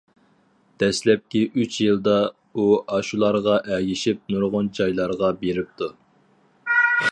دەسلەپكى ئۈچ يىلدا ئۇ ئاشۇلارغا ئەگىشىپ نۇرغۇن جايلارغا بېرىپتۇ.